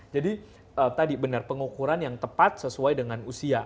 jadi tadi benar pengukuran yang tepat sesuai dengan usia